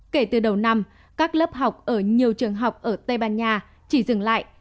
kể từ đầu năm các lớp học ở nhiều trường học ở tây ban nha chỉ dừng lại